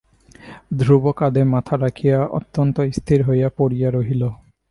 ধ্রুব কাঁধে মাথা রাখিয়া অত্যন্ত স্থির হইয়া পড়িয়া রহিল।